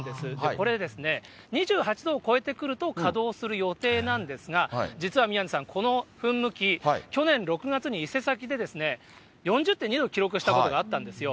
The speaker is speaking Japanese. これですね、２８度を超えてくると、稼働する予定なんですが、実は宮根さん、この噴霧器、去年６月に伊勢崎で４０．２度記録したことがあったんですよ。